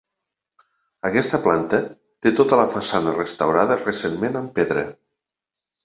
Aquesta planta, té tota la façana restaurada recentment amb pedra.